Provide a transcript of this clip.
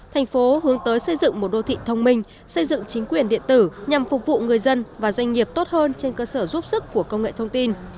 thành phố hướng tới xây dựng một đô thị thông minh xây dựng chính quyền điện tử nhằm phục vụ người dân và doanh nghiệp tốt hơn trên cơ sở giúp sức của công nghệ thông tin